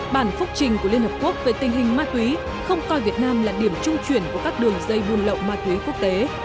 bản phúc trình của liên hợp quốc về tình hình ma túy không coi việt nam là điểm trung chuyển của các đường dây buôn lậu ma túy quốc tế